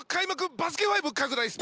「バスケ☆ＦＩＶＥ拡大ＳＰ